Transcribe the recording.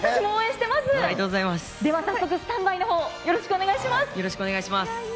では早速、スタンバイよろしくお願いします。